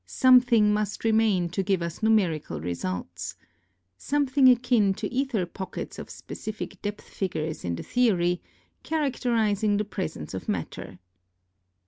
Something must remain to give us'numerical results. Something akin to aether pockets of specific AND RELATIVITY 21 depth figures in the theory, characterizing the presence of matter.